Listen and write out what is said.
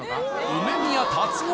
梅宮辰夫